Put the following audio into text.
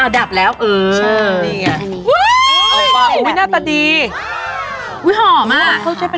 อ๋อดับแล้วเออ